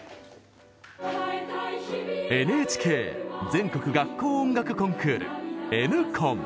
ＮＨＫ全国学校音楽コンクールＮコン。